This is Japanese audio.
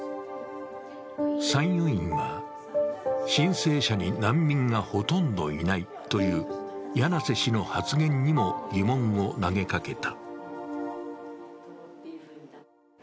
参与員は、申請者に難民がほとんどいないという柳瀬氏の発言にも疑問を投げかけた。